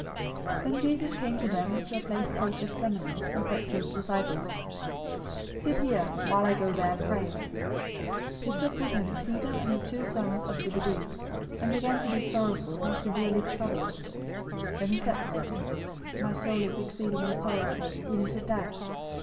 026:036 Then Jesus came with them to a place called Gethsemane, and said to his disciples, "Sit here, while I go there and pray." 026:037 He took with him Peter and the two sons of Zebedee, and began to be sorrowful and severely troubled. 026:038 Then he said to them, "My soul is exceedingly sorrowful, even to death.